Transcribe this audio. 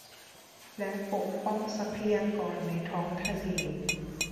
และปกป้องทรัพยากรในท้องทะเล